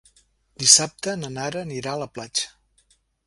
Dissabte na Nara anirà a la platja.